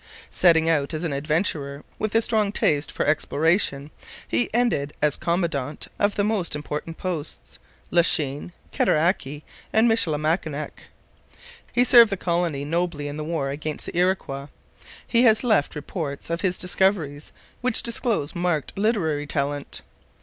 Setting out as an adventurer with a strong taste f or exploration, he ended as commandant of the most important posts Lachine, Cataraqui, and Michilimackinac. He served the colony nobly in the war against the Iroquois. He has left reports of his discoveries which disclose marked literary talent.